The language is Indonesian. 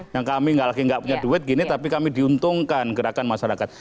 yang kami nggak punya duit gini tapi kami diuntungkan gerakan masyarakat